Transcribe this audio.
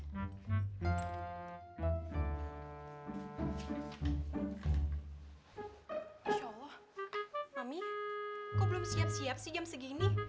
masya allah ami kau belum siap siap sih jam segini